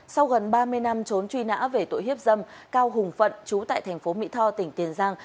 sau gần ba mươi năm trốn truy nã về tội hiếp dâm cao hùng phận chú tại thành phố mỹ tho tỉnh tiền giang